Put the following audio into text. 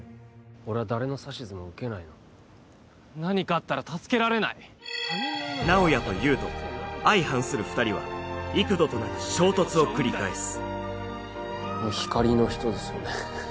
俺は誰の指図も受けないの何かあったら助けられない直哉と優斗相反する２人は幾度となく衝突を繰り返す光の人ですよね